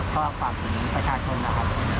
ก็ฝากผู้ชายชนนะครับ